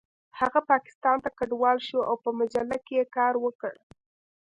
هغه پاکستان ته کډوال شو او په مجله کې یې کار وکړ